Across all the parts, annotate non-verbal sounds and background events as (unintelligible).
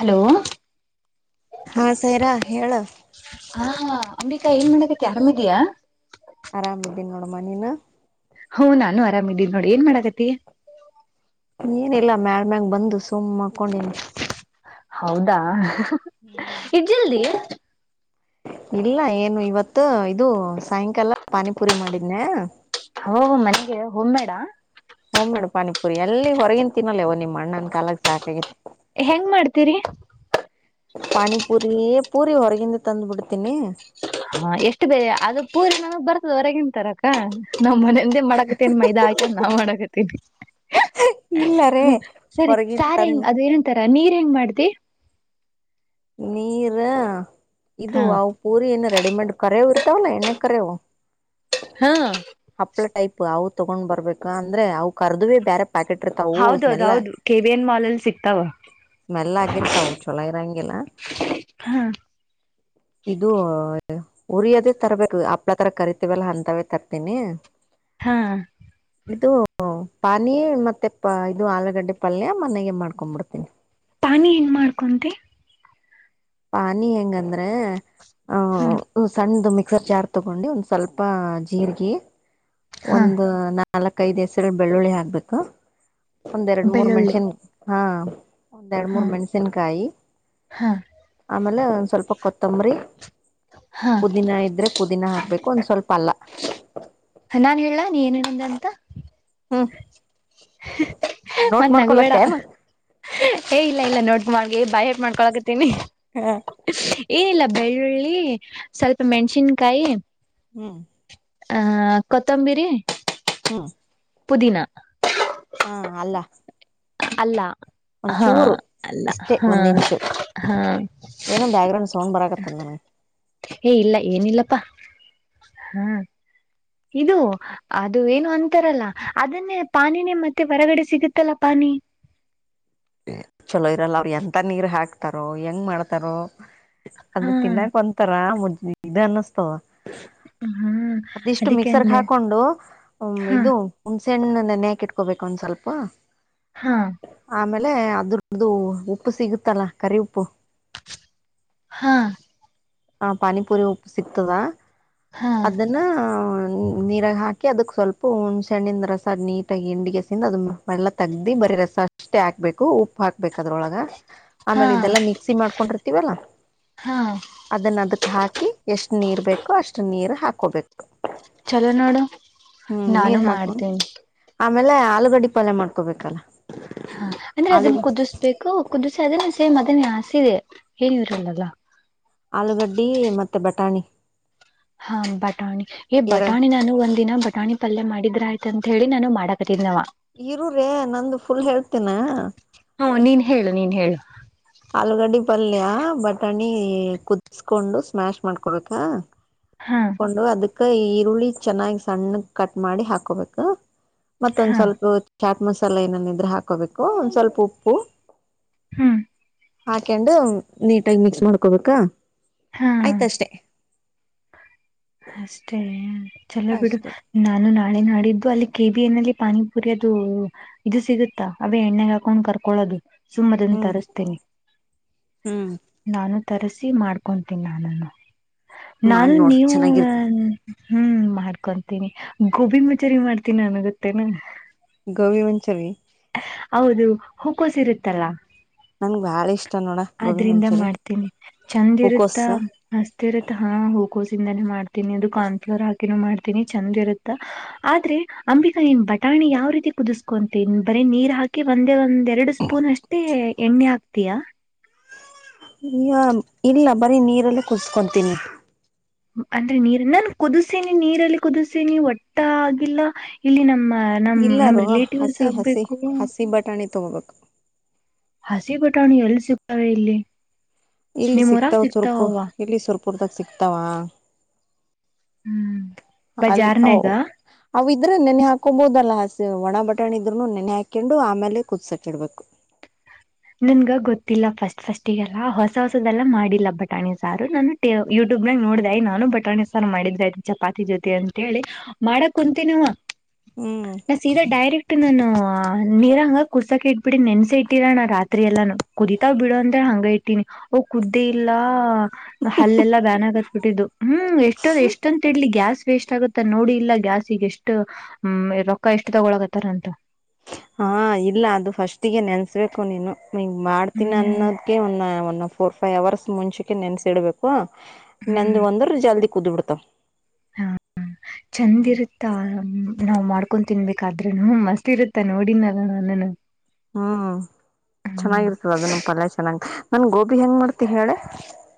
Hello ಹಾ ಸೈರಾ ಹೇಳ ಹಾ ಅಂಬಿಕಾ ಏನ್ ಮಾಡಕ್ಕತ್ತಿ ಆರಾಮದಿಯಾ ಆರಾಮ ಇದದ್ದೀನಿ ನೋಡಮ ನಿನ್ ಹ್ಮ್ ನಾನು ಆರಾಮ ಇದೀನ ನೋಡ ಏನ್ ಮಾಡಾಕತಿ ಏನ ಇಲ್ಲಾ ಮ್ಯಾಮ ಬಂದು ಸುಮ್ ಮಕೊಂಡಿನ್ ಹೌದಾ ಇಟಜಲ್ದಿ ಇಲ್ಲ ಏನು ಇವತ್ತು ಇದು ಸಾಯಂಕಾಲ ಪಾನಿಪುರಿ ಮಾಡಿದ್ನೆ ಹ ಮನೆಗೆ ಹೋಮ್ಮೇಡಾ ಹಓ ಹೋಮೇಡ್ ಪಾನಿಪುರಿ ಎಲ್ಲಿ ಹೊರಗಿನ್ ತಿನ್ನಲ್ಲೇವೋ ನಿಮ್ಣನ್ ಕಾಲಾಗ ಸಾಕಾಗೆತಿ ಹೆಂಗ್ ಮಾಡ್ತೀರಿ ಪಾನಿಪುರಿ ಪೂರಿ ಹೊರಗಿಂದ ತಂದು ಬಿಡ್ತೀನಿ ಹಾ ಎಷ್ಟು ಬೇರೆ ಅದು ಪೂರಿ ನಮಗ್ ಬರ್ತದ ಹೊರಗಂತರಕ್ಕ ನಾವ್ ಮನಂದೇ ಮಾಡಾಕತ್ತೇನೆ ಮೈದಾ ಆಯ್ಕ ನಾವ್ ಮಾಡಾಕತ್ತೇನಿ ಇಲ್ಲರೇ ಸರಿ ಹೊರಗಿನ್ ಸಾರ ಹೆಂಗ ತಂದ್ ಅದು ಏನಂತರ ನೀರ್ ಹೆಂಗ್ ಮಾಡ್ತಿ ನೀರ ಇದು ಹಾ ಪೂರಿ ಏನ್ನು ರೆಡಿಮೇಡ್ ಕರವು ಇರ್ತಾವಲ್ಲ ಎಣ್ಣೆ ಕರವು ಹಾ ಹಪ್ಳ ಟೈಪ್ ಅವು ತಗೊಂಡ್ ಬರ್ಬೇಕಾ ಅಂದ್ರೆ ಅವು ಕರ್ದುವೇ ಬೇರೆ ಪ್ಯಾೆಟ್ರ್ತ (unintelligible) ಹೌದೌ ಹೌದು ಕೆ ವಿ ಎನ್ ಮಾಲ್ ಅಲ್ಲಿ ಸಿಗ್ತಾವ ಸ್ಮೆಲ್ ಆಗಿರ್ತಾವರು ಚೊಲೋ ಇರೋಂಗಗೆಲ್ಲ ಹಾ ಇದು ಉರಿಯೋದೇ ತರ್ಬೇಕು ಹಪ್ಳ ತರ ಕರಿತೀವಲ್ಲ ಅಂತವೇ ತರ್ತೀನಿ.. ಹಾ.. ಇದು ಪಾನಿ ಮತ್ತೆ ಪ ಇದು ಆಲೂಗಡ್ಡೆ ಪಲ್ಯ ಮನೆಗೆ ಮಾಡ್ಕೊಂಡ್ಬಿಡ್ತೀನಿ. ಪಾನಿ ಹೆಂಗ್ ಮಾಡ್ಕೊಂತೆ. ಪಾನಿ ಹೆಂಗಂದ್ರೆ ಆ ಹ್ಮ್ ಸಣ್ಣ ಮಿಕ್ಸರ್ ಜಾರ್. ತಗೊಂಡು ಸ್ವಲ್ಪ ಜೀರಿಗೆ ಹಾ ಒಂದು. ನಾಲ್ಕಐದು ಹೆಸರುಗಳು ಬೆಳ್ಳುಳ್ಳಿ ಹಾಕ್ಬೇಕು ಒಂದ್ ಎರಡು ಮೂರ್ ಬೆಳ್ಳುಳ್ಳಿ ಮಣಷನ್ ಹಾ ಒಂದ್ ಎರಡ್ ಹಾ ಮೂರ್ ಮೆಣ್ಸಿನ್ಕಾಯಿ... ಹಾ. ಆಮೇಲೆ ಒಂದ್ ಸ್ವಲ್ಪ ಕೊತ್ತಂಬರಿ ಹಾ ಪುದೀನ ಇದ್ರೆ.. ಪುದಿನ ಹಾಕ್ಬೇಕು ಒಂದ್ ಸ್ವಲ್ಪ ಅಲ್ಲ. ನಾನ್ ಹೇಳಾ ನೀ ಏನೇನಂದ ಅಂತ.. ಹ್ಮ.. ಮತ್ತ ನಗಬೇಡ ಏ ಇಲ್ಲ ಇಲ್ಲ ನೋಡ್ಕ ಮಾಡಗೆ ಬಾಯ ಹೇಟ್ ಮಾಡ್ಕೊಳಕತ್ತೀನಿ.. ಹಾ.. ಏನಿಲ್ಲ ಬೆಳ್ಳುಳ್ಳಿ ಸ್ವಲ್ಪ ಮೆಣಸಿನ್ಕಾಯಿ ಹ್ಮ್. ಹ ಕೊತ್ತಂಬಿರಿ. ಹ್ಮ.. ಪುದಿನ. ಹಾ ಅಲ್ಲ ಅಲ್ಲ ಹಾ ಒಂಚೂರು ಅಲ್ಲ ಇಷ್ಟೇ ಹಾ ಒಂದ್ ಇಂಚು ಹಾ ಏನೋ ಬ್ಯಾಕ್ ಗ್ರೌಂಡ್ ಸೌಂಡ್ ಬರಾಕತ್ತದ ನನಗೆ ಹೇ ಇಲ್ಲ ಏನಿಲ್ಲಪ್ಪಾ ಹಾ ಇದು ಅದು ಏನು ಅಂತಾರಲ್ಲ ಅದನ್ನೇ ಪಾನಿನೇ ಮತ್ತೆ ಹೊರಗಡೆ ಸಿಗುತ್ತಲ್ಲ ಪಾನಿ ಚಲೋ ಇರಲ್ಲ ಅವ ಎಂತ ನೀರ್ ಹಾಕ್ತಾರೋ ಹೆಂಗ್ ಮಾಡ್ತಾರೋ ಹಾ ಅದು ತಿನ್ನಕ್ ಒ ತರ ಮುನ್ನ ಹಾ ಅದಿಷ್ಟು ಅದಕ್ಕೆ ಮಿಕ್ಸರ್ ಅಂದೆ ಹಾಕೊಂಡು ಹ ಹಾ ಇದು ಹುಣಸೆಣ್ಣು ನೆ ಹಕಿಟ್ಕೋಬೇಕು ಒಂದ ಸ್ವಲ್ಪ ಹಾ ಆಮೇಲೆ ಅದರ್ದು ಉಪ್ಪು ಸಿಗುತ್ತಲ್ಲಾ ಕರಿ ಉಪ್ಪು ಹ್ಮ್ ಹ ಪಾನಿಪುರಿ ಉಪ್ಪು ಸಿಕ್ತದ ಹಾ ಅದನ್ನ ನೀರಾಗ ಹಾಕಿ ಅದಕ್ ಸ್ವಲ್ಪ ಹುಣ್ ಸಣ್ಣಿಂದ ರಸ ನೀಟಾಗಿ ಹಿಂಡಿಗೆಸಿಂದ ಅದಳ್ಳ ತೆಗ್ದಿ ಬರೀ ರಸ ಅಷ್ಟೇ ಹಾಕ್ಬೇಕು ಉಪ್ಪು ಹಾಕ್ಬೇಕು ಅದ್ರೊಳಗ ಹ ಆಮೇಲೆ ಇದೆಲ್ಲಾ ಮಿಕ್ಸಿ ಮಾಡ್ಕೊಂಡಿರ್ತೀವಲ್ಲಾ ಹಾಂ ಅದನ್ನ ಅದಕ್ ಹಾಕಿ ಎಷ್ಟ್ ನೀರ್ ಬೇಕೋ ಅಷ್ಟು ನೀರ್ ಹಾಕೋಬೇಕು. ಚಲೋ ನೋಡು. ಹ್ಮ್ ನಾನು ನೀರ್ ಹಾಕೊಂಡ್ ಮಾಡ್ತೇನಿ ಆಮೇಲೆ ಆಲೂಗಡ್ಡಿ ಪಲ್ಯ ಮಾಡ್ಕೊಬೇಕಲ್ಲ ಹಾ ಅಂದ್ರೆ ಅದನ್ನ ಕುದಿಸ್ಬೇಕು ಕುದಿಸಿ ಅದೇ ಸೇಮ್ ಅದೇ ಆಸೆ ಇದೆ ಏನು ಇರಲ್ಲ ಆಲೂಗಡ್ದಿ ಮತ್ತೆ ಬಟಾಣಿ ಹಾ ಬಟಾಣಿ ಎರ ಬಟಾಣಿ ಹೇ ನಾನು ಒಂದಿನ ಬಟಾಣಿ ಪಲ್ಯ ಮಾಡಿದ್ರ ಆಯ್ತ ಅಂತ ಹೇಳಿ ನಾನು ಮಾಡಕತಿದ್ನವ ಇರ್ರೇ ನಂದು ಫುಲ್ ಹೇಳ್ತೀನ ಹ್ಮ ನೀನ್ ಹೇಳು ನೀನ್ ಹೇಳು ಆಲೂಗಡ್ದಿ ಪಲ್ಯ ಬಟಾಣಿ ಕುದಿಸಕೊಂಡು ಸ್ಮ್ಯಾಶ್ ಮಾಡ್ಕೊಡ್ಬೇಕ ಹಾ ಮಾಡ್ಕೊಂಡು ಅದಕ್ ಈ ಈರುಳ್ಳಿ ಚೆನ್ನಾಗಿ ಸಣ್ಣ ಕಟ್ ಮಾಡಿ ಹಾಕೋಬೇಕು. ಮತ್ತೊಂದ ಹಾ ಸ್ವಲ್ಪ ಚಾಟ್ ಮಸಾಲೆ ಏನನ್ ಇದ್ರೆ ಹಾಕೋಬೇಕು ಒಂದ್ ಸ್ವಲ್ಪ ಉಪ್ಪು. ಹ್ಮ್ ಹಾಕೊಂಡು ನೀಟಾಗಿ ಮಿಕ್ಸ್ ಮಾಡ್ಕೊಬೇಕಾ. ಹಾ ಅಷ್ಟೇ ಚಲೋ ಬಿಡು. ಅಷ್ಟೇ ನಾನು ನಾಳೆ ನಾಡಿದ್ದು ಅಲ್ಲಿ ಕೆಬ ಎನ್ಲ್ಲಿ ಪಾನಿಪುರಿ ಅದು. ಇದು ಸಿಗುತ್ತಾ ಅವೇ ಎಣ್ಣಗ್ ಹಾಕೊಂಡ್ ಕರ್ಕೊಳೋದು. ಸುಮ್ಮದನ್ನು ಹ್ಮ್ ತರಿಸ್ತಿನಿ ಹ್ಮ್ ನಾನು ತರಿಸಿ ಮಾಡ್ಬ ಕೊಂತೀನಿ ನಾನನ್ನು ಮಾಡ್ ನಾನು ನೋಡ್ ನೀವು ಚೆನ್ನಾಗಿರ್ತದ ಹ್ಮ್ ಮಾಡ್ಕೊಂತೀನಿ ಗೋಬಿ ಮಚೂರಿ ಮಾಡ್ತೀನ್ ನಾನು ಗೊತ್ತೇನು ಗೋಬಿ ಮಂಚೂರಿ ಹೌದು ಹೂಕೋಸ್ ಇರುತ್ತಲ್ಲ. ನನ್ಗ್ ಬಾಳ ಇಷ್ಟ ನೋಡ ಗೋಬಿ ಆದ್ರಿಂದ ಮಂಚೂರಿ ಮಾಡ್ತೀನಿ ಚಂದ್ ಇರುತ್ತ. ಮಸ್ತ್ ಇರುತ್ತ ಹಾ ಹೂಕೋಸಿಂದಾನೇ ಮಾಡ್ತೀನಿ ಅದು ಕಾರ್ನ್ಫ್ಲೋರ್ ಹಾಕಿನೂ ಮಾಡ್ತೀನಿ ಚೆಂದ್ ಇರುತ್ತಾ. ಆದ್ರೆ ಅಂಬಿಕಾ ಏನ್ ಬಟಾಣಿ ಯಾವ ರೀತಿ ಕುದಿಸಸ್ಕೊಂತೀನ್. ಬರೀ ನೀರ್ ಹಾಕಿ ಒಂದೇ ಒಂದ್ ಎರಡು ಸ್ಪೂನ್ ಅಷ್ಟೇ ಎಣ್ಣೆ ಹಾಕ್ತೀಯಾ. ಈಗ ಇಲ್ಲ ಬರೀ ನೀರಲ್ಲ ಕುುದಕೊಂತೀನಿ. ಅಂದ್ರೆ ನೀರ್ ನಾನು ಕುದಸನಿ ನೀರಲ್ಲಿ ಕುದಸಿನಿ ಒಟ್ಟ ಆಗಿಲ್ಲ ಇಲ್ಲಿ ನಮ್ಮ ನಮ್ ನಮ್ ಇಲ್ಲಾರೂ ರಿಲೇಟಿವ್ಸ್ ಹಸಿ ಹಸಿ ಆಗ್ಬೇಕು. ಹಸಿ ಬಟಾಣಿ ತಗೋಬೇಕು ಹಸಿ ಬಿಟಾಣಿ ಎಲ್ಲಿ ಸಿಗ್ತವೆ ಇಲ್ಲಿ ಇಲ್ಲಿ ನಿಮ್ ಊರಾಗ್ ಸಿಕ್ತಾವ ಸುರ್ಪು ಸಿಗ್ತಾವ ಇಲ್ಲಿ ಸುರ್ಪುರ್ದಾಗ ಸಿಕ್ತಾವ. ಹ್ಮ್ ಅಲ್ ಅವು. ಬಜಾರ್ನ್ಯಾಗ ಅವ ಇದ್ರೆ ನೆನೆ ಹಾಕೊಬಹದಲ್ಲ ಹಸಿ ಒಣ ಬಟಾಣೆ ಇದ್ರುನು ನೆನೆ ಹಾಕೊಂಡು ಆಮೇಲೆ ಕುದಸಕಿಡ್ಬೇಕು ನನ್ಗ ಗೊತ್ತಿಲ್ಲ ಫಸ್ಟ್ ಫಸ್ಟಿಗೆಲ್ಲ ಹೊಸ ಹೊಸದೆಲ್ಲ ಮಾಡಿಲ್ಲ ಬಟಾಣಿ ಸಾರು ನಾನು. ಯೂಟ್ಯೂಬ್ನಾಗ ನೋಡ್ದ ನಾನು ಬಟಾಣಿ ಸಾರ್ ಮಾಡಿದ್ರ ಇದ್ ಚಪಾತಿ ಜೊತೆ ಅಂತೇಳಿ. ಮಾಡಕ್ ಕುಂತೀ ನವ. ಹ್ಮ್. ಸೀದಾ ಡೈರೆಕ್ಟ್ ನಾನು ನೀರ ಹಂಗ ಕುರ್ಸಕ ಇಟ್ಬಿಡಿ ನೆನ್ಸಿ ಇಟ್ಟಿರ ನಾ ರಾತ್ರಿ ರಾತ್ರಿಯಲ್ಲನು ಕುದಿತಾವ್ ಬಿಡು ಅಂತ ಹಂಗ ಇಟ್ಟೀನಿ ಓ ಕುದ್ದೇ ಇಲ್ಲ ಹಲ್ಲೆಲ್ಲ ಬ್ಯನ್ಗತ್ ಬಿಟ್ಟಿದ್ದು ಹ್ಮ್ ಎಷ್ಟೊ ಎಷ್ಟಂತ ಇಡ್ಲಿ ಗ್ಯಾಸ್ ವೇಸ್ಟ್ ಆಗುತ್ತ ನೋಡಿ ಇಲ್ಲ ಗ್ಯಾಸ್ಗ ಎಷ್ಟು ಹ್ಮ ರೊಕ್ಕ ಎಷ್ಟು ತಗೊಳ ಆತ್ತಾರ ಅಂತ. ಹಾ ಇಲ್ಲ ಅದು ಫಸ್ಟಿಗೆ ನೆನ್ಸ್ಬೇಕು ನೀನು ಮಾಡ್ತೀನಿ ಹ್ಮ್ ಅನ್ನೋದಕ ಒಂದು ಒ ಫೋರ್ ಫೈವ್ ಅವರ್ಸ್ ಮುಂಚಕೆ ನೆನ್ಸಿಡ್ಬೇಕು ಹ್ಮ್ ನೆಂದು ಒಂದ್ರ ಜಲ್ದಿ ಕುದ್ಬಿಡ್ತಾವ. (unintelligible) ಹಾ ಚಂದಿರ ತಾವು ನಾವ್ ಮಾಡ್ಕೊಂಡ ತಿನ್ಬೇಕಾದ್ರೂನು ಮಸ್ತ್ ಇರುತ್ತ ನೋಡಿನಲ್ಲ ನಾನನು ಹ್ಮ್ ಚೆನ್ನಾಗಿರ್ತದ ಅದನ್ನು ಪಲ್ಯ ಚೆನ್ನಾಗ್ ನನ್ ಗೋಬಿ ಹೆಂಗ್ ಮಾಡ್ತಿ ಹೇಳೆ.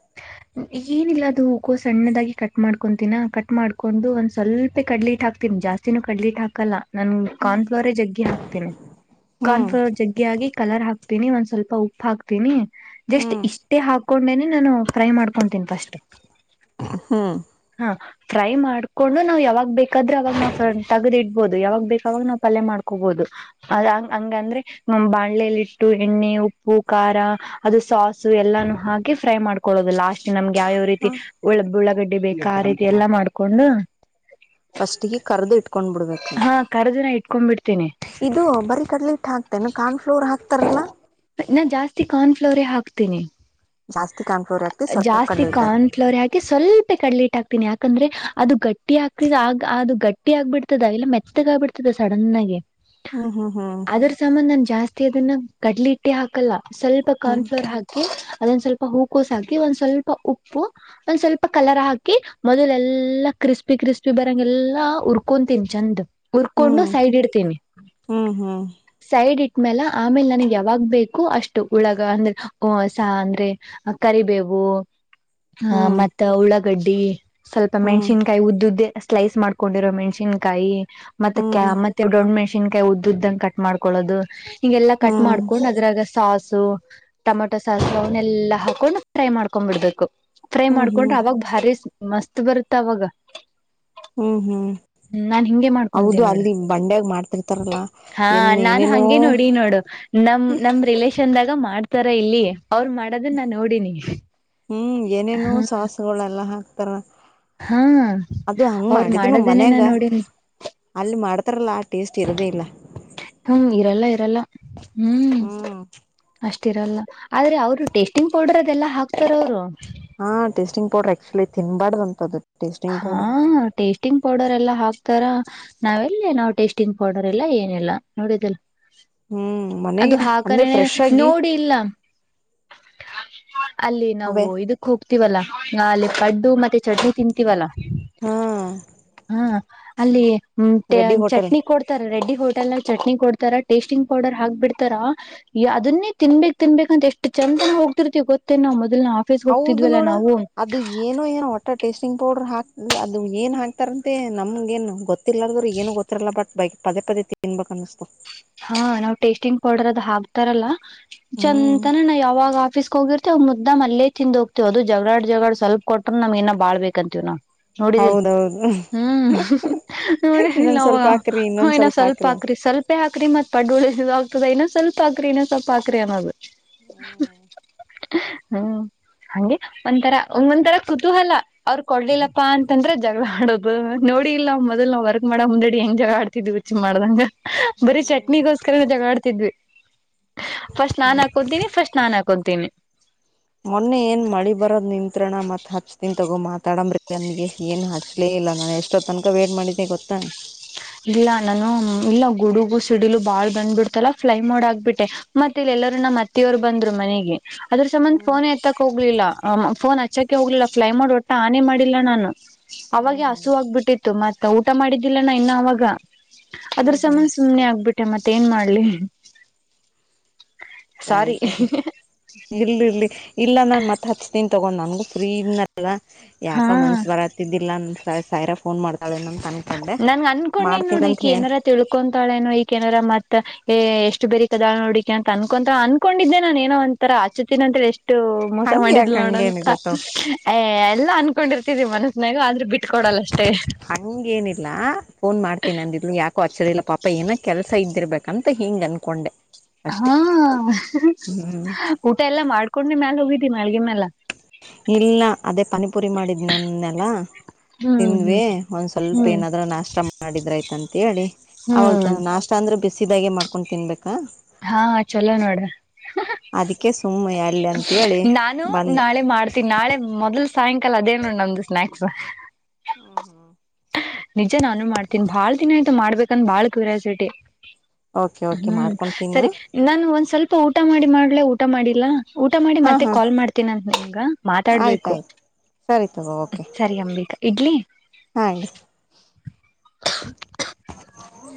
(unintelligible) ಏನಿಲ್ಲ ಅದು ಉಕೋ ಸಣ್ಣದಾಗಿ ಕಟ್ ಮಾಡ್ಕೊತಿನಾ ಕಟ್ ಮಾಡ್ಕೊಂಡು ಒಂದ್ ಸ್ವಲ್ಪೇ ಕಡ್ಲಿ ಇಟ್ಟಟ್ ಹಾಕ್ತೀನಿ ಜಾಸ್ತಿ ಕಡ್ಲಿಟ್ಟ ಹಾಕಲ್ಲ ನನ್ ಕಾನ್ಫ್ಲೋರೇ ಜಗ್ಗಿ ಹಾಕ್ತೇನೆ. ಹ್ಮ್ ಕಾರ್ನ್ಫ್ಲೋರ್ ಜಗ್ಗೆ ಆಗಿ ಕಲರ್ ಹಾಕ್ತೀನಿ ಒಂದ್ ಸ್ವಲ್ಪ ಉಪ್ಪು ಹಾಕ್ತೀನಿ (inaudible) ಜಸ್ಟ್ ಹ್ಮ್ ಇಷ್ಟ ಹಾಕೊಂಡೇನೆ ನಾನ ಫ್ರೈ ಮಾಡಕೊತೀನಿ ಫಸ್ಟ್. ಹ್ಮ್ ಹಾ ಫ್ರೈ ಮಾಡ್ಕೊಂಡು ನಾವು ಯಾವಾಗ ಬೇಕಾದ್ರೆ ಅವಾಗ ನಾಫ್ರ್ ತಗ್ದ್ ಇಡ್ಬಹದು ಯಾವಾಗ ಬೇಕವಾಗ ನಾವು ಪಲ್ಯ ಮಾಡ್ಕೋಬಹುದು. ಅ ಹಂಗಂದ್ರೆ ನ ಬಾಣ್ಲೆಲಿಟ್ಟು ಎಣ್ಣೆ ಉಪ್ಪು ಖಾರ ಅದು ಸಾಾಸು ಎಲ್ಲಾನು ಹಾಕಿ ಫ್ರೈ ಮಾಡ್ಕೊೊಳ್ಳೋದು ಲಾಸ್ಟ್ ನಮ್ಗೆ ಯಾವ್ಯಾವ ರೀತಿ ಉ ಬುಳ್ಳಗಡ್ಡೆ ಬೇಕ? ರೀತಿ ಎಲ್ಲಾ ಮಾಡ್ಕೊಂಡ ಫಸ್ಟ್ಗ ಕರ್ದ ಇಟ್ಕೊಂಡ್ ಬಿಡ್ಬೇಕು. ಕರದ ಇಟ್ಕೊಂಡ್ ಬಿಡತೀನಿ ಇದು ಬರಿೀ ಕಡಲೆ ಇಟ್ಟು ಹಾಕ್ತೇ ಕಾರ್ನ್ ಫ್ಲೋರ್ ಹಾಕ್ತಾರಲ್ಲಾ? ನಾ ಜಾಸ್ತಿ ಕಾರ್ನ್ಫ್ಲೋರೆ ಹಾಕ್ತೀನಿ. ಜಾಸ್ತಿ ಕಾನ್ಫಲೋರ್ ಇರತ್ತೆ ಸ್ವಲ್ಪ್ ಕಳ್ಳ ಇರತ್ತೆ ಪ್ಲಾವರ ಹಾಕಿ ಸ್ವಲ್ಪ ಕಡಲಿಟ್ಟ (unintelligible) ಹಾಕ್ತೀನಿ ಯಾಕಂದ್ರೆ ಅದು ಗಟ್ಟಿ ಹಾಕ್ತ ಆ ಅದು ಗಟ್ಟಿ ಆಗ್ಬಿಡ್ತದ ಇಲ್ಲ ಮೆತ್ತಗ ಆಬಿಡ್ತದೆ. ಇ ಸಡನ್ ಆಗೆ ಹ್ಮ ಹ್ಮ್ಮ್ ಹ್ಮ್ಮ್ ಅದ್ರ ಸಂಬಂಧ ನಾನ್ ಜಾಸ್ತಿ ಅದನ್ನ ಗಡ್ಲಿ ಇಟ್ಟಿ ಹಾಕಲ್ಲ ಸ್ವಲ್ಪ ಕಾರ್ನ್ಫ್ಲೋರ್ ಹಾಕ (unintelligible) ಅದೊಂದ್ ಸ್ವಲ್ಪ ಹೂಕೋಸ ಹಾಕಿ ಒಂದ್ ಸ್ವಲ್ಪ ಉಪ್ಪು ಒಂದ್ ಸ್ವಲ್ಪ ಕಲರ್ ಹಾಕಿ ಹಾಕಿ ಮೊದಲ್ ಎಲ್ಲಾ ಕ್ರಿಸ್ಪಿ ಕ್ರಿಸ್ಪಿ ಬರಂಗ ಎಲ್ಲಾ ಉುರ್ಕೊತೀನಿ ಚೆಂದ ಉುರ್ಕೊಂಡು ಹ್ಮ್ ಸೈಡ್ ಇಡ್ತೀನಿ. ಹ್ಮ್ ಹ್ಮ್ ಸೈಡ್ ಇಟ್ಟ್ಮ್ಯಾಲ ಆಮೇಲ್ ನನಗ್ ಯಾವಾಗ್ ಬೇಕು ಅಷ್ಟು ಉಳಗ ಅಂದ್ರೆ ಸ ಅಂದ್ರೆ ಕರಿಬೇವು (inaudible) ಹ್ಮ್ ಆ ಹ್ಮ್ ಮತ್ತ ಉಳ್ಳಾಗಡ್ಡಿ ಸ್ವಲ್ಪ ಹ್ಮ್ ಮೆಣ್ಸಿನ್ ಕಾಯಿ ಉದ್ದ ಉದ್ದೇ ಸ್ಲೈಸ್ ಮಾಡ್ಕೊಂಡಿರೋ ಮೆಣ್ಸಿನ್ಕಾಯಿ ಮತ್ತೆ ಕ್ಯಾ ಹ್ಮ್ ಹ್ಮ್ ದೊಡ್ಡ ಮೆಷಿನ್ ಕಾಯಿ ಉ್ದದ್ದ್ ಉದ್ದಂಗ ಕಟ್ ಮಾಡ್ಕೊೊಳ್ಳೋದು ಹಿಂಗೆಲ್ಲಾ ಕಟ್ ಹ್ಮ್ ಮಾಡ್ಕೊಂಡ್ ಅದ್ರಾಗ ಸಾಸು. ಟೊಮೆಟೊ ಸಾಸು ಅವನ್ನೆಲ್ಲಾ ಹಾಕೊಂಡು ಫ್ರೈ ಮಾಡ್ಕೊಂಡ್ ಬಿಡ್ಬೇಕು (inaudible) ಫ್ರೈ ಹ್ಮ್ ಮಾಡ್ಕೊಂಡ್ರೆ ಹ್ಮ್ ಅವಾಗ ಹಾರಿಸ್ ಮಸ್ತ್ ಬರ್ತ ಅವಾಗ್ ಹ್ಮ್ ಹ್ಮ್ ಹ್ಮ ನಾನ್ ಹಿಂಗಗೆ ಮಾಡ್ಕೊಂತೇ ಹೌದು ನೋಡು ಅಲ್ಲಿ ಬಂಡ್ಯಾಗ ಮಾಡ್ತಿರ್ತಾರಲ್ಲ ಹಾ ಎನ್ ನಾನ ಏನೇನೋ ಹಂಗೆ ನೋಡಿ ನೋಡು. ನಮ್ ನಮ್ ರಿಲಷ ಚಂದಾಗ ಮಾಡ್ತಾರ ಇಲ್ಲಿ ಅವ್ರ ಮಾಡೋದನ್ನ ನಾ ನೋಡಿನಿ ಹಾ ಹು ಅದೆಲ್ಲ ಹಾಕ್ತಾರ ಅದು ಹಂಗ ಅವ್ರ ಮಾಡಿದ್ನು ಮಾಡೋದನ್ನೇ ನಾ ಮನ್ಯಾಗ ನೋಡಿನಿ ಅಲ್ಲಿ ಮಾಡ್ತಾರಲ್ಲಾ ಆ ಟೇಸ್ಟ್ ಇರೋದೇ ಇಲ್ಲ. ಹ್ಮ್ ಇರಲ್ಲ ಇರಲ್ಲ (inaudible) ಹ್ಮ್ ಅಷ್ಟಿರಲ್ಲ ಆದ್ರೆ ಅವರು ಟೇಸ್ಟಿಂಗ್ ಪೌಡರ್ ಅದೆಲ್ಲಾ ಹಾಕ್ತಾರ ಅವರು ಹಾ ಟೇಸ್ಟಿಂಗ್ ಪೌಡ್ರ ಆಕ್ಚುಲಿ ತಿನ್ಬಾರ್ದ ಅಂತದು. ಟೇಸ್ಟಿಂಗ್ ಹಾ ಪೌಡರ್ ಟೇಸ್ಟಿಂಗ್ ಪೌಡರ್ ಎಲ್ಲಾ ಹಾಕ್ತಾರ. ನಾವೆಲ್ಲ ನಾವ್ ಟೇಸ್ಟಿಂಗ್ ಪೌಡರ್ ಎಲ್ಲಾ ಏನಲ್ಲಾ ನೋಡಿದಲ್ ಹ್ಮ್ ಅದು ಮನೆಗೆ ಹಾಕನ ಅಂದ್ರೆ ಫ್ರೆಶ್ ಆಗಿ ನೋಡಿ ಇಲ್ಲ ಅಲ್ಲಿ ನಾವು ಅವೇ ಇದಕ್ ಹೋಗ್ತಿವಲ್ಲಾ ನ ಅಲ್ಲಿ ಪಡ್ಡು ಮತ್ತೆ ಚಟ್ನಿ ತಿಂತೀವಲ್ಲ ಹಾ ಹ ಅಲ್ಲಿ ರೆಡ್ಡಿ ಹೋಟೆಲ್ ಚಟ್ನಿ ಕೊಡ್ತಾರ ರೆಡ್ಡಿ ಹೋಟೆಲ್ ನಲ್ಲಿ ಚಟ್ನಿ ಕೊಡ್ತಾರ ಟೇಸ್ಟಿಂಗ್ ಪೌಡರ್ ಹಾಕ್ಬ ಬಿಡ್ತಾರ ಅದನ್ನೇ ತಿನ್ಬೇಕೇಕ್ ತಿನ್ಬೇಕ ಅ ಎಷ್ಟ ಚಂದಾಗ ಹೋಗ್ತಿರ್ತಿ ಗೊತ್ತೇ ನಾ ಮೊದ್ಲ್ ನಾ. ಹೌದು ನೋಡ. ಅದು ಏನೋ ಏನೋ ಒಟ್ಟ ಟೇಸ್ಟಿಂಗ್ ಪೌಡರ್ ಹಾಕ್ ಅದು ಏನ್ ಹಾಕ್ತಾರಂತೆ ನಮ್ಗ ನು ಗೊತ್ತ. ತಿಲ್ಲಾರ್ರ ಏನು ಗೊತ್ತಿಲ್ಲ ಬಟ್ ಬೈಕ್ ಪದೇ ಪದೇ ತಿನ್ಬೇಕ ಅಸ್ತು ಹಾ ನಾವ್ ಟೇಸ್ಟಿಂಗ್ ಪೌಡರ್ ಅದು ಹಾಕ್ತಾರಲ್ಲಾ ಹ್ಮ್ ಚಂದನ ನಾ ಯಾವಾಗ ಆಫೀಸ್ ಹೋಗಿರ್ತ ಮುದ್ದಂ ಅಲ್ಲೇ ತಿಂದು ಹೋಗ್ತವ ಅದು ಜಗಳಾಡ್ ಜಗಳಡ್ ಸ್ವಲ್ಪ್ ಕೊಟ್ರ ನಮ್ಏನ ಬಾಳ್ಬೇಕ ಅಂತೀವ್ ನೋಡಿದಿಲ್ ಹೌದೌದು ಹ್ಮ್ ನೋಡಿದಲ್ ಇನ್ನೊಂದ್ ಸ್ವಲ್ಪ ಹಾಕ್ರಿ ನ ಇನ್ನೊಂದ್ ಏನ ಸ್ವಲ್ಪ ಹಾಕ್ರಿ ಸ್ವಲ್ಪ. ಹಾಕ್ರಿ ಮತ್ ಪಡ್ ಆಗ್ತದ ಇನ್ನು ಸ್ವಲ್ಪ ಹಾಕ್ರ ಇನ್ನ ಸ್ವಲ್ಪ ಹಕ್ರ ಅನ್ನೋದು. ಹ್ಮ್ ಹಂಗೆ. ಒಂಂತರ ಒಂಗ ಒಂಂತರ ಕುತೂಹಲ ಅವ್ರ ಕೊಡ್ಲಿಲ್ಲಪ್ಪಾ ಅಂತಂದ್ರ ಜಗಳ ಆಡೋದು ನೋಡಿ ಇಲ್ಲ ಮೊದ್ಲ್ ನಾವ್ರ್. ಹೆಂಗ ಮಾಡ ಮುಂದಾಡಿ ಹೆಂಗ ಜಗ ಆಡ್ತಿದ್ವಿ ರುಚಿ ಮಾಡ್ದಂಗ ಬರೀ ಚಟ್ನಿಗೋಸ್ಕರನ ಜಗಳ ಆಡ್ತಿದ್ವಿ ಫಸ್ಟ್ ನಾನ್ ಹಾಕೊತೀನಿ ಫಸ್ಟ್ ನಾನ್ ಹಾಕೊತೀನಿ. ಮೊನ್ನೆ ಏನ್ ಮಳಿ ಬರೋದ್ ನಿಂತ್ರಣ ಮತ್ ಹಚ್ತನ್ ತಗೋ ಮಾತಾಡಂಬ್ರಿ ನನಗೆ ಏನ್ ಹಚ್ಲೇ ಇಲ್ಲ ನಾನ ಎಷ್ಟ. ಅಷ್ಟೊ ತನಕ ವೇಟ್ ಮಾಡಿದ್ದೆ ಗೊತ್ತಾ. ಇಲ್ಲ ನಾನು ಇಲ್ಲ ಗುಡುಗು ಸಿಡಿಲು ಬಾಳ್ ಬಂದ್ಬಿಡ್ತಲ್ಲ ಫ್ಲೈ ಮಾಡೋ ಆಗ್ಬಿಟ್ಟೆ ಮತ್ತ ಇಲ್ಲ ಎಲ್ಲರೂ ನಮ್ಮ್ ಅತ್ತಿಯವರು ಬಂದ್ರು ಮನೆಗೆ ಅದ್ರ ಸಂಬಂದ ಹ್ಮ್ ಫೋನ್ ಎತ. ಹೋಗ್ಲಿಲ್ಲ ಫೋನ್ ಹಚ್ಚಕೆ ಹೋಗ್ಲಿಲ್ಲ ಪ್ಲೈನ್ ಮೋಡ್ ಒಟ್ಟ ಆನೆ ಮಾಡಿಲ್ಲ ನಾನು ಹ್ಮ್ ಅವಾಗೆ ಹ್ಮ್ ಹಸು ಆಗ್ಬಿಟ್ಟಿತ್ತು ಮತ್ತ ಊಟ ಮಾಡಿದ್ದಿಲ್ಲನ ಇನ್ನು ಅವಾಗ ಅದ್ರ ಹ್ಮ್ ಹ್ಮ್ ಸಮನ್ ಸುಮ್ನೆ ಆಗ್ಬಿಟ್ಟೆ ಮತ್ತೆ ಏನ್ ಮಾಡ್ಲಿ ಸರಿ ಸಾರಿ ತಪ್ಪ ಇರ್ಲಿ ಇರ್ಲಿ ಇಲ್ಲ ನಾನ್ ಮತ್ತತ್ ಹಚ್ತನ್ ತೊಗೊಂಡ್ ನನ್ಗು ಫ್ರೀ ಇದ್ನ ಯಾಕ ಹಾ ಮನ್ಸ ಬರತ್ತ ಗತ್ತಿದ್ದಿಲ್ಲ ಅಂತ ಸ ಸಾಯಿರ ಫೋನ್ ಮಾಡ್ತಾಳೆನಂತ ಅನ್ಕೊಂಡೆ ಮಾಡ್ತೀನಂತ ಹೇಳಿ. ತಿಳ್ಕೊಂತಾಳೆನು ಈಕೇನಾರ ಮತ್. ಏ ಎಷ್ಟು ಬೇರಿ ಕದಾಳ್ ನೋಡಿಕಕ್ಕೆ ಅಂತ ಅನ್ಕೊಂತರ ಅನ್ಕೊಂಡಿದ್ದೆ ನಾನನ್ ಏನೋ ಒಂತರ ಆಚತೀನ ಅಂತೇಳ ಎಷ್ಟು ಮೋಸ ಹಂಗ ಯಾಕ ಮಾಡಿದ್ಲ್ ನೋಡಂತ ಹಂಗೇನಿಲ್ಲತ್ತೋ ಏ ಎಲ್ಲ ಅನ್ಕೊಂಡಿರ್ತಿದವಿ ಮನಸ್ನಾಗ ಆದ್ರೂ ಬಿಟ್ಕೊಡಲ್ಲ ಅಷ್ಟೇ ಹಂಗ ಏನಿಲ್ಲ ಫೋನ್ ಮಾಡ್ತೀನಿ ಅಂದಿದ್ಲು ಯಾಕ. ಕೋಚರಿ ಇಲ್ಲ ಪಾಪ ಏನ ಕೆಲ್ಸ ಇದ್ದಿರ್ಬೇಕಂತ ಹಿಂಗ ಅನ್ಕೊಂಡೆ. ಅಷ್ಟೇ ಹಾ ಹ್ಮ್ ಊಟ ಎಲ್ಲಾ ಮಾಡ್ಕೊಂಡನೆ ಮ್ಯಾಲ ಹೋಗಿದ್ದಿ ಮಳಗಿ ಮ್ಯಾಲ. ಇಲ್ಲ ಅದೇ ಪನಿಪುರಿ ಮಾಡಿದ್ ನನ್ನೆಲ್ಲ ಹ್ಮ್ ತಿಂದ್ವಿ ಹ್ಮ್ ಒಂದ್ ಸ್ವಲ್ಪ ಹ್ಮ್ ಏನಾದ್ರೂ ನಾಷ್ಟ ಮಾಡ ಮಾಡಿದ್ರಾಯ್ತ ಅಂತೇಳಿ ಹ್ಮ್ ಅವಾಗ ನಾಷ್ಟ ಅಂದ್ರೆ ಬಿಸಿ ಬ್ಯಾಗೆ ಮಾಡ್ಕೊಂಡ್ ತಿನ್ಬೇಕಾ ಹಾ ಚಲೋ ನೋಡ್ರ ಅದಕ್ಕೆ ಸುಮ್ಮನೆ ಅಲ್ಲಿ ಅಂತೇಳಿ ಬಂದೆ ಮ ನಾಳೆ ಮೊದ್ಲ್ ಸಾಯಂಕಾಲ ಅದೇನು ನಮ್ದು ಸ್ನಾಯಾಕ್ಸ್ ಹ್ಮ ಹಾ ನಿಜ ನಾನು ಮಾಡ್ತೀನಿ ಬಾಳ್ ದಿನ ಆಯ್ತು ಮಾಡ್ಬೇಕಂದ ಬಾಳ್ ಕ್ರಾಸಿಟಿ ಓಕೆ ಓಕೆ ಮಾಡ್ಕೊತೀನಾ ನಾನು ಒಂದ್ ಸ್ವಲ್ಪ ಊಟ ಮಾಡಿ ಮಾಡ್ಲೆ ಊಟ ಮಾಡಿಲ್ಲಾ ಊಟ ಮಾಡಿ ಹಾ ಮತ್ತೆ ಹಾ ಕಾಲ್ ಮಾಡ್ತೀನಂತ ನಗ ಮಾತಾಡ್ಬೇಕು ಆಯ್ತಾಯ್ತು ಸರಿ ತಗೋ ಓಕೆ ಸರಿ ಅಂಬಿಕಾ ಇಡ್ಲಿ ಹಾ ಇಡು ಹ